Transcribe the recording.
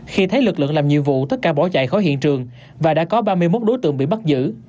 khi thấy lực lượng làm nhiệm vụ tất cả bỏ chạy khỏi hiện trường và đã có ba mươi một đối tượng bị bắt giữ